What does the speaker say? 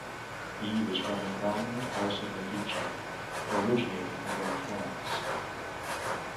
He was from the prominent House of Medici originating from Florence.